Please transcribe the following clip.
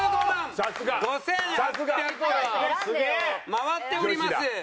回っております！